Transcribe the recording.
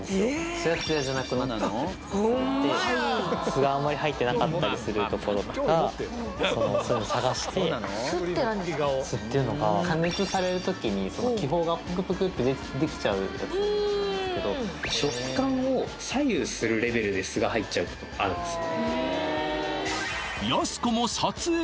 ツヤツヤじゃなくなってもすがあんまり入ってなかったりするところとかそういうのを探して「す」っていうのは加熱される時に気泡がぷくぷくってできちゃうやつなんですけど食感を左右するレベルですが入っちゃうことあるんですよ